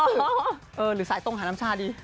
หรือหรือสายต้มหนังน้ำชาดี